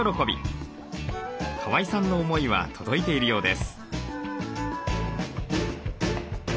川井さんの思いは届いているようです。